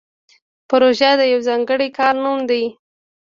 پروژه د یو ځانګړي کار نوم دی